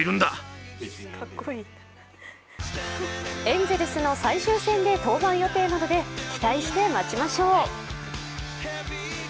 エンゼルスの最終戦で登板予定なので期待して待ちましょう。